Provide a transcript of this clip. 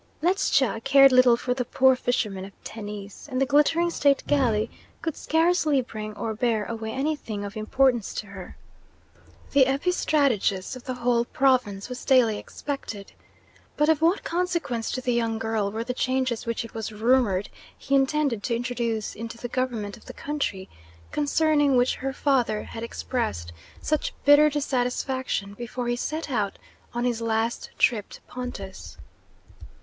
Ledscha cared little for the poor fishermen of Tennis, and the glittering state galley could scarcely bring or bear away anything of importance to her. The epistrategus of the whole province was daily expected. But of what consequence to the young girl were the changes which it was rumoured he intended to introduce into the government of the country, concerning which her father had expressed such bitter dissatisfaction before he set out on his last trip to Pontus?